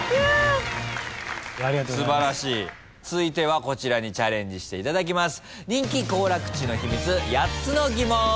続いてはこちらにチャレンジしていただきます。